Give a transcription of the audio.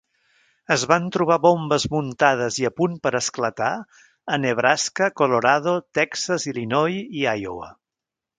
Es van trobar bombes muntades i a punt per esclatar a Nebraska, Colorado, Texas, Illinois i Iowa.